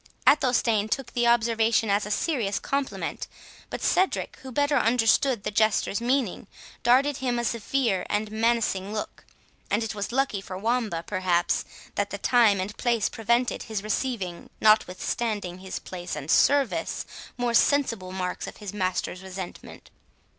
Athelstane took the observation as a serious compliment; but Cedric, who better understood the Jester's meaning, darted at him a severe and menacing look; and lucky it was for Wamba, perhaps, that the time and place prevented his receiving, notwithstanding his place and service, more sensible marks of his master's resentment.